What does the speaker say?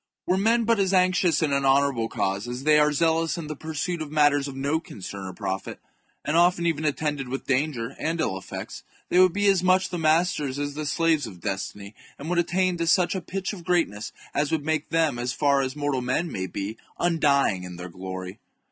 Were men but as anxious in an honourable cause as they are zealous in the pursuit of matters of no concern or profit, and often even attended with danger [and ill effects], they would be as much the masters as the slaves of destiny, and would attain to such a pitch of THE JUGURTHINE WAR. I23 greatness as would make them, as far as mortal men chap. may be, undying in their glory.